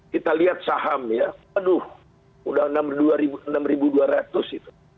kita lihat saham ya aduh udah enam ribu dua ratus itu